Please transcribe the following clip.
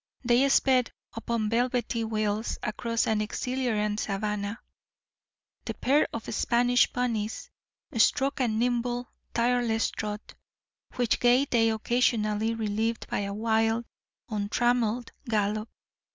They sped upon velvety wheels across an exhilarant savanna. The pair of Spanish ponies struck a nimble, tireless trot, which gait they occasionally relieved by a wild, untrammelled gallop.